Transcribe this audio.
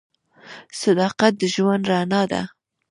صداقت د ژوند رڼا ده.